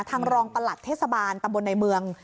ทางรองประหลัดเทศบาลประบวนในเมือง